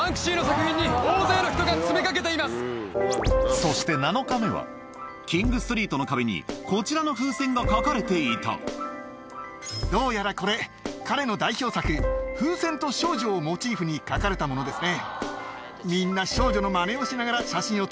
そして７日目はキングストリートの壁にこちらの風船が描かれていたどうやらこれ彼の代表作『風船と少女』をモチーフに描かれたものですね。